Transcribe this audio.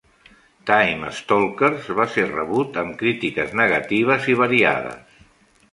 "Time Stalkers" va ser rebut amb crítiques negatives i variades.